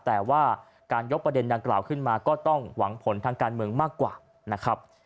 แต่ว่าการยกประเด็นดังกล่าวขึ้นมาก็ต้องหวังผลทางการเมืองมากกว่านะครับ